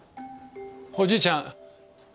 おじいちゃん！